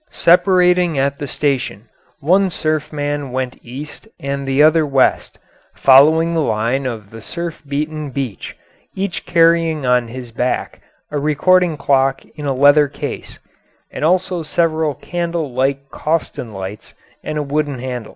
Separating at the station, one surf man went east and the other west, following the line of the surf beaten beach, each carrying on his back a recording clock in a leather case, and also several candle like Coston lights and a wooden handle.